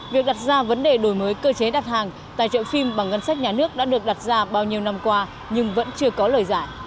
việc đặt ra vấn đề đổi mới cơ chế đặt hàng tài trợ phim bằng ngân sách nhà nước đã được đặt ra bao nhiêu năm qua nhưng vẫn chưa có lời giải